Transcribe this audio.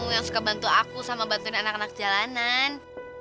yang suka bantu aku sama bantuin anak anak jalanan